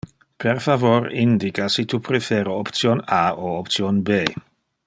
Per favor indica si tu prefere option A o option B